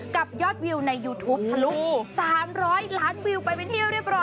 ยอดวิวในยูทูปทะลุ๓๐๐ล้านวิวไปเป็นที่เรียบร้อย